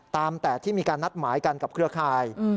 ตามแต่ที่มีการนัดหมายกันกับเครือข่าย